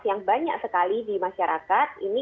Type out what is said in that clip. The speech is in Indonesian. yang banyak sekali di masyarakat ini